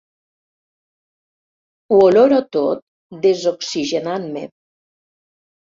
Ho oloro tot desoxigenant-me.